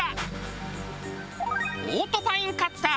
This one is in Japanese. オートパインカッター。